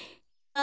あ。